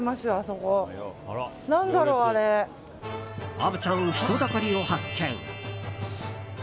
虻ちゃん、人だかりを発見。